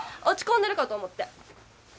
落ち込んでるかと思って。